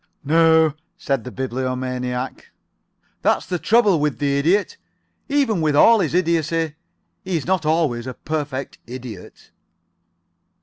"No," said the Bibliomaniac; "that's the great trouble with the Idiot. Even with all his idiocy he is not always a perfect idiot."